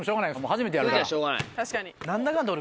初めてやるから。